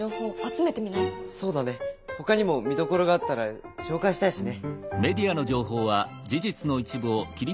そうだねほかにも見どころがあったら紹介したいしね。